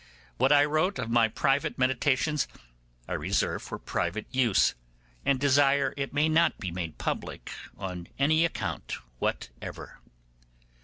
What I wrote of my private meditations I reserve for private use, and desire it may not be made public on any account whatever.